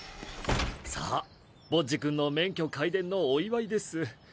さあボッジ君の免許皆伝のお祝いです。